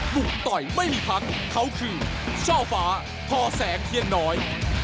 ต่อยไม่มีพักเขาคือช่อฟ้าพอแสงเทียนน้อย